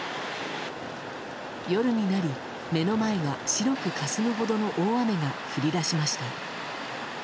夜になり、目の前が白くかすむほどの大雨が降り出しました。